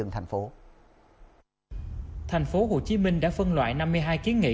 thành phố hồ chí minh đã phân loại năm mươi hai kiến nghị